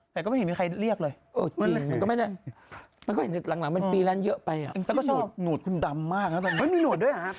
แต่ก็เป็นใครเรียกเลยทีมันก็ไม่ได้ไม่ไหว